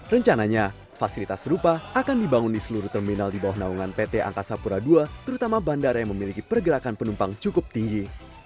rencananya fasilitas serupa akan dibangun di seluruh terminal di bawah naungan pt angkasa pura ii terutama bandara yang memiliki pergerakan penumpang cukup tinggi